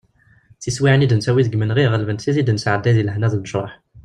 Tiswiɛin i d-nettawi deg yimenɣi ɣelbent tid i d-nesɛedday deg lehna d unecraḥ.